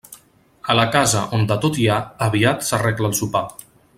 A la casa on de tot hi ha, aviat s'arregla el sopar.